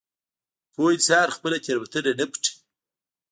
پوه انسان خپله تېروتنه نه پټوي.